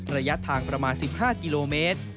ระยะทางประมาณ๑๕กิโลเมตร